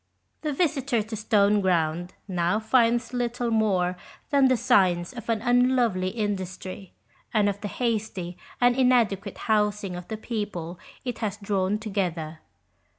The visitor to Stoneground now finds little more than the signs of an unlovely industry, and of the hasty and inadequate housing of the people it has drawn together.